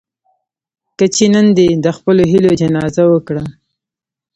کچې نن دې د خپلو هيلو جنازه وکړه.